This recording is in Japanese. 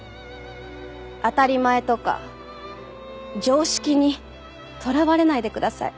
当たり前とか常識にとらわれないでください。